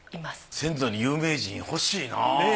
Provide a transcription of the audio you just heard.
先祖に有名人欲しいなぁ。